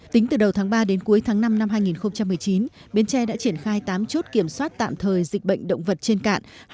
tính từ đầu tháng ba đến cuối tháng năm năm hai nghìn một mươi chín bến tre đã triển khai tám chốt kiểm soát tạm thời dịch bệnh động vật trên cạn